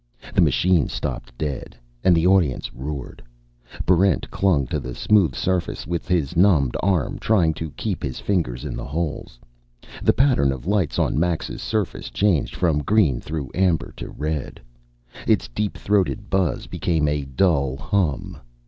The machine stopped dead, and the audience roared. Barrent clung to the smooth surface with his numbed arm, trying to keep his fingers in the holes. The pattern of lights on Max's surface changed from green through amber to red. Its deep throated buzz became a dull hum.